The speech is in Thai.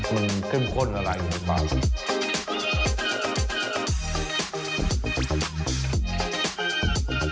มันขึ้นข้นกับหลายอย่างปลอดภัย